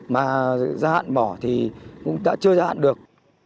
mà giai hạn mỏ thì cũng đã chưa giai hạn được